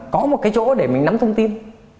có một cái chỗ để mình nắm thông tin